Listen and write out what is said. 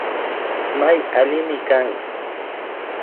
May allimi kan